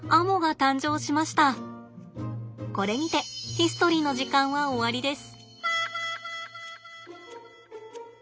これにてヒストリーの時間は終わりです。